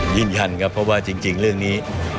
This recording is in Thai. ยืนยันครับเพราะว่าจริงเรื่องนี้